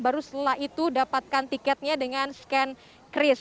baru setelah itu dapatkan tiketnya dengan scankris